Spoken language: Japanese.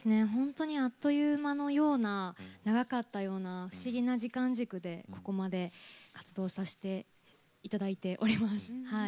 本当にあっという間のような長かったような不思議な時間軸でここまで活動させていただいております。